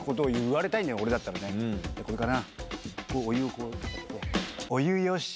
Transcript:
これかな！